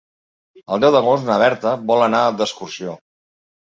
El deu d'agost na Berta vol anar d'excursió.